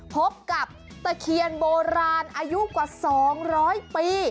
พบกับตะเคียนโบราณอายุกว่า๒๐๐ปี